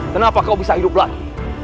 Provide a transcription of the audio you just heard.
kenapa kau bisa hidup lagi